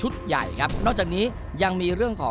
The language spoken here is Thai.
ที่หลังเป็นต้องยอดก่อน